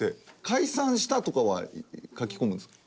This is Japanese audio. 解散したとかは書き込むんですか？